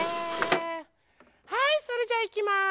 はいそれじゃいきます。